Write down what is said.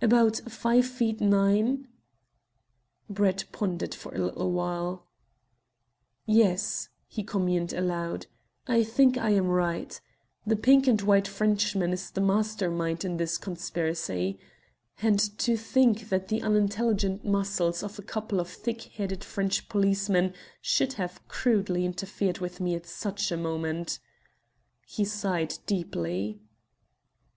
"About five feet nine." Brett pondered for a little while. "Yes," he communed aloud, "I think I am right. That pink and white Frenchman is the master mind in this conspiracy. And to think that the unintelligent muscles of a couple of thick headed French policemen should have crudely interfered with me at such a moment!" He sighed deeply.